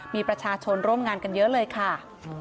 มีประชาชนร่วมงานกันเยอะเลยค่ะ